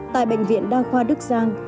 tại bệnh viện đa khoa đức giang